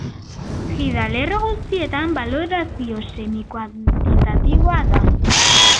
Gidalerro guztietan balorazio semi-kuantitatiboa da.